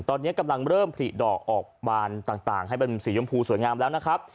ตอนนี้กำลังเริ่มผลิดอกออกบานต่างให้เป็นสียมพูสวยงามแล้วนะครับ